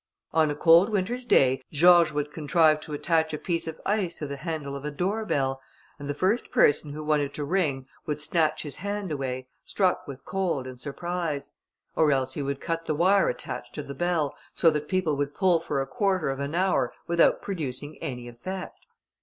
On a cold winter's day, George would contrive to attach a piece of ice to the handle of a door bell, and the first person who wanted to ring would snatch his hand away, struck with cold and surprise; or else he would cut the wire attached to the bell, so that people would pull for a quarter of an hour without producing any effect.